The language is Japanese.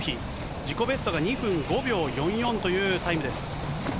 自己ベストが２分５秒４４というタイムです。